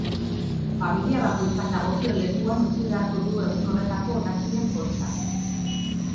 Familia bakoitzak dagokion lekuan utzi beharko du egun horretako hondakinen poltsa.